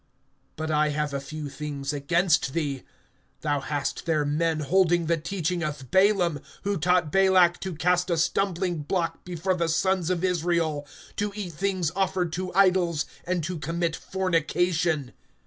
(14)But I have a few things against thee. Thou hast there men holding the teaching of Balaam, who taught Balak to cast a stumbling block before the sons of Israel, to eat things offered to idols, and to commit fornication.